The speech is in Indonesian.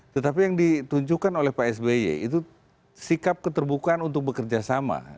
tetapi yang ditunjukkan oleh pak sby itu sikap keterbukaan untuk bekerja sama